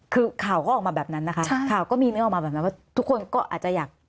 คือข่าวก็ออกมาแบบนั้นนะคะข่าวก็มีเนื้อออกมาแบบนั้นว่าทุกคนก็อาจจะอยาก